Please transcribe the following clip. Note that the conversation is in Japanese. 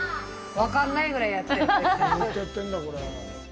分からないぐらいやってるという。